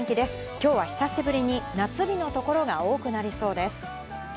今日は久しぶりに夏日の所が多くなりそうです。